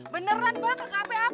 beneran bang reka ap ap